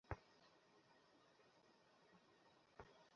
প্রভেদের মধ্যে এবেলা বালিকার অঞ্চলে জাম নাই এবং যুবকের হস্তেও বই নাই।